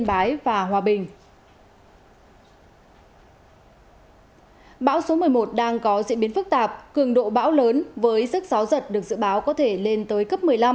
bão số một mươi một đang có diễn biến phức tạp cường độ bão lớn với sức gió giật được dự báo có thể lên tới cấp một mươi năm